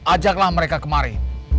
ajaklah mereka kemari